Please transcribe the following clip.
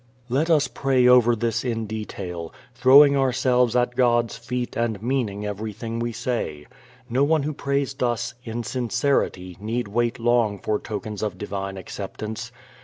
Let us pray over this in detail, throwing ourselves at God's feet and meaning everything we say. No one who prays thus in sincerity need wait long for tokens of divine acceptance.